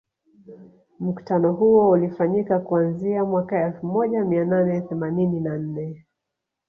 Mkutano huo ulifanyika kuanzia mwaka elfu moja mia nane themanini na nne